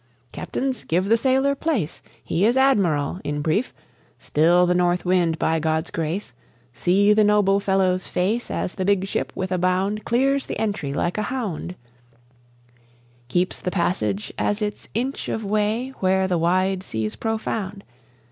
Captains, give the sailor place! He is Admiral, in brief. Still the north wind, by God's grace! See the noble fellow's face As the big ship, with a bound, Clears the entry like a hound, Keeps the passage as its inch of way were the wide sea's profound!